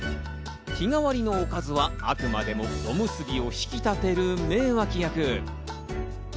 日替わりのおかずはあくまでも、おむすびを引き立てる名脇役。